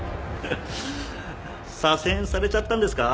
左遷されちゃったんですか。